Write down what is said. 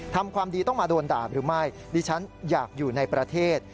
ทำความดีต้องมาโดนด่าหรือไม่ดิฉันอยากอยู่ในประเทศ